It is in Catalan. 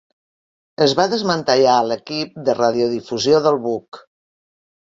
Es va desmantellar l'equip de radiodifusió del buc.